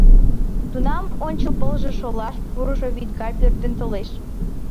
Тунам ончыл пылже шолаш пурышо вӱд гай пӧрдын толеш.